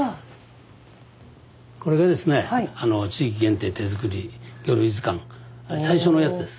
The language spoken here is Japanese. これがですね地域限定手作り魚類図鑑最初のやつです。